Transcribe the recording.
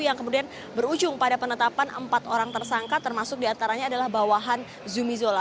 yang kemudian berujung pada penetapan empat orang tersangka termasuk diantaranya adalah bawahan zumi zola